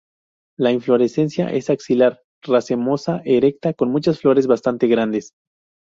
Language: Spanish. La inflorescencia es axilar, racemosa, erecta, con muchas flores bastante grandes.